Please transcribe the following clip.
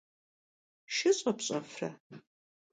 Şşı ş'epş'efre?